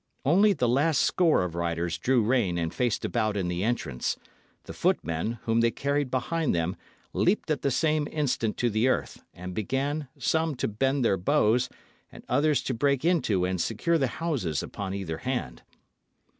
Only the last score of riders drew rein and faced about in the entrance; the footmen, whom they carried behind them, leapt at the same instant to the earth, and began, some to bend their bows, and others to break into and secure the houses upon either hand.